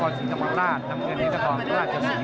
เดงช๕โกนาคอร์ตเบอร์เอียวช๕เออลูกเบียร์นะครับ